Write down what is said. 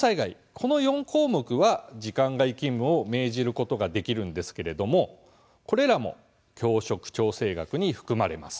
この４項目は時間外勤務を命じることができるんですけれどもこれらも教職調整額に含まれます。